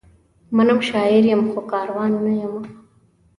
منم، شاعر یم؛ خو کاروان نه یمه